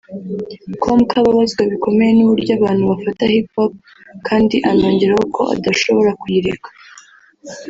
com ko ababazwa bikomeye n’uburyo abantu bafata Hip Hop kandi anongeraho ko adashobora kuyireka